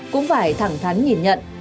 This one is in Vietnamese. cũng phải thẳng thắn nhìn nhận